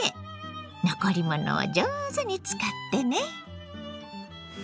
残り物を上手に使ってね。